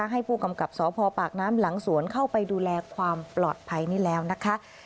ให้ผู้กำกับสพปากน้ำหลังสวนเข้าไปดูแลความปลอดภัยนี่แล้วนะคะ